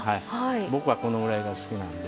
僕はこのぐらいが好きなんで。